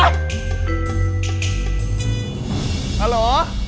ฮัลโหล